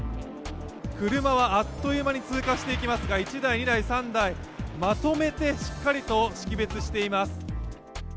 車はあっという間に通過していきますが１台、２台、３台、まとめてしっかりと識別しています。